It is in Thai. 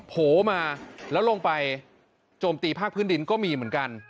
โผล่มาแล้วลงไปโจมตีภาคพื้นดินก็มีเหมือนกัน